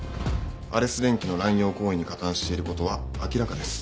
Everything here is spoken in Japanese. アレス電機の濫用行為に加担していることは明らかです。